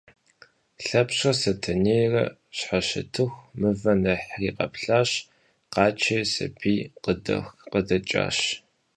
Lhepşre Setenêyre şheşıtıxu, mıver nexhri kheplhaş, khaçeri sabiy khıdeç'aş.